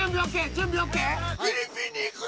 準備ＯＫ？